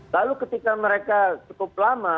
lalu ketika mereka cukup lama